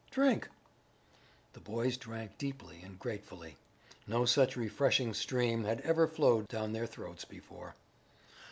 Drink." The boys drank deeply and gratefully. No such refreshing stream had ever flowed down their throats before.